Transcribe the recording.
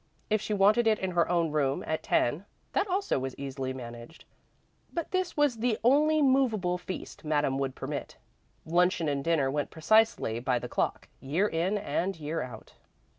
If she wanted it in her own room, at ten, that also was easily managed, but this was the only "movable feast" Madame would permit. Luncheon and dinner went precisely by tae clock, year in and year out.